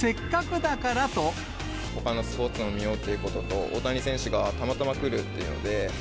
ほかのスポーツも見ようということと、大谷選手がたまたま来るっていうので。